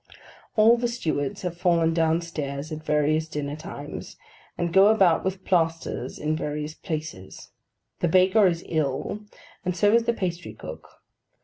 All the stewards have fallen down stairs at various dinner times, and go about with plasters in various places. The baker is ill, and so is the pastry cook.